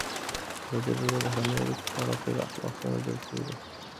ازادي راډیو د بهرنۍ اړیکې په اړه پراخ بحثونه جوړ کړي.